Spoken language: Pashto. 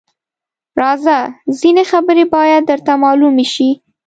_راځه! ځينې خبرې بايد درته مالومې شي.